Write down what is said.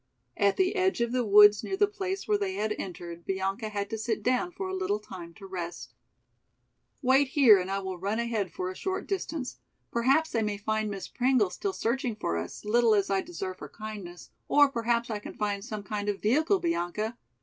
At the edge of the woods near the place where they had entered Bianca had to sit down for a little time to rest. "Wait here and I will run ahead for a short distance. Perhaps I may find Miss Pringle still searching for us, little as I deserve her kindness, or perhaps I can find some kind of vehicle, Bianca.